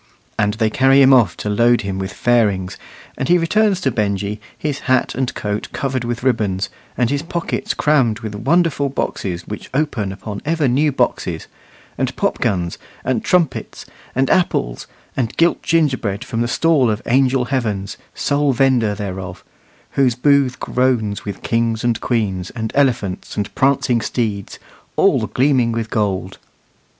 And they carry him off to load him with fairings; and he returns to Benjy, his hat and coat covered with ribbons, and his pockets crammed with wonderful boxes which open upon ever new boxes, and popguns, and trumpets, and apples, and gilt gingerbread from the stall of Angel Heavens, sole vender thereof, whose booth groans with kings and queens, and elephants and prancing steeds, all gleaming with gold.